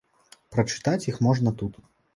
Прачытаць іх можна тут.